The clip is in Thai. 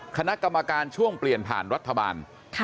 คณะกรรมการช่วงเปลี่ยนผ่านรัฐบาล